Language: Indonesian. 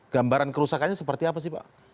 gambaran kerusakannya seperti apa sih pak